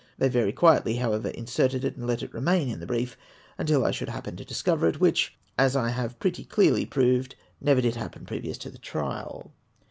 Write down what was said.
They very quietly, however, inserted it, and let it remain in the brief until I should happen to discover it ; which, as I have pretty clearly proved, never did happen previous to the trial.